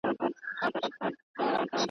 ما خوبونه وه لیدلي د بېړۍ د ډوبېدلو.